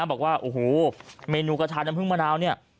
บอกว่าโอ้โหเมนูกระชายน้ำพึ่งมะนาว